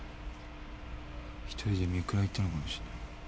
１人で御倉行ったのかもしれない。